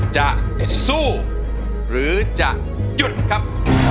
จะสู้หรือจะหยุดครับ